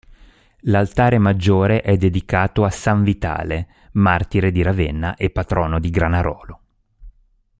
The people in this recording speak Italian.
L'Altare Maggiore è dedicato a San vitale, martire in Ravenna e patrono di Granarolo.